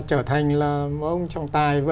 trở thành là ông trọng tài